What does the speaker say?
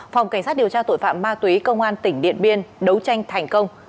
phòng cảnh sát điều tra tội phạm ma túy công an tỉnh điện biên đấu tranh thành công